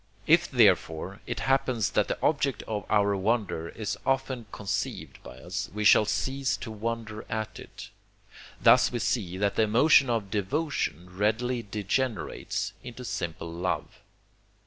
If, therefore, it happens that the object of our wonder is often conceived by us, we shall cease to wonder at it; thus we see, that the emotion of devotion readily degenerates into simple love.